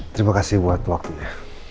terima kasih buat waktunya